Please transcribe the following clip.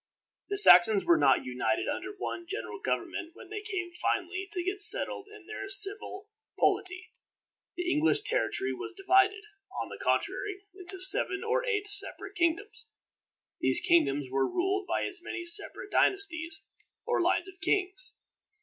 The Saxons were not united under one general government when they came finally to get settled in their civil polity. The English territory was divided, on the contrary, into seven or eight separate kingdoms. These kingdoms were ruled by as many separate dynasties, or lines of kings.